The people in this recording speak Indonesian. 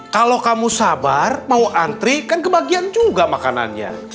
kalau kamu sabar mau antri kan kebagian juga makanannya